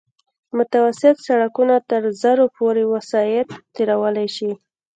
متوسط سرکونه تر زرو پورې وسایط تېرولی شي